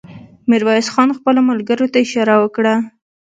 ميرويس خان خپلو ملګرو ته اشاره وکړه.